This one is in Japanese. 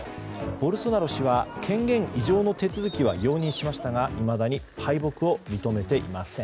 ボルソナロ氏は権限移譲の手続きは容認しましたがいまだに敗北を認めていません。